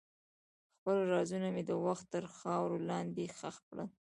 خپل رازونه مې د وخت تر خاورو لاندې ښخ کړل.